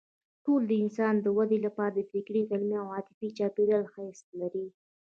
ټولنه د انسان د ودې لپاره د فکري، علمي او عاطفي چاپېریال حیثیت لري.